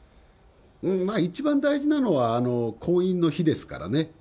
一番大事なのは、婚姻の日ですからね。